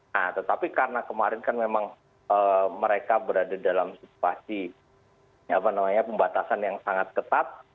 nah tetapi karena kemarin kan memang mereka berada dalam situasi pembatasan yang sangat ketat